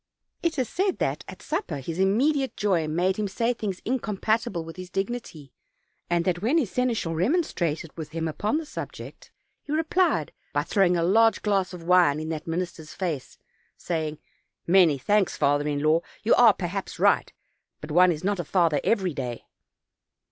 It is said that at supper his immediate joy made him say things incompatible with his dignity, and that when his seneschal remonstrated with him upon the subject he replied by throwing a large glass of wine in that minis ter's face, saying: "Many thanks, father in law. You are, perhaps, right; but one is not a father every day.